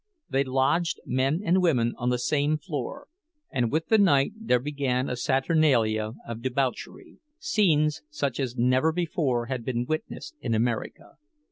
They lodged men and women on the same floor; and with the night there began a saturnalia of debauchery—scenes such as never before had been witnessed in America.